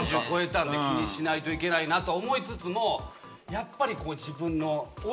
４０こえたんで気にしないといけないなと思いつつもやっぱり自分の。